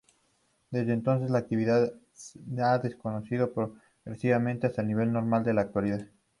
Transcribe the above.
Desde entonces, la actividad ha descendido progresivamente hasta el nivel normal de la actualidad.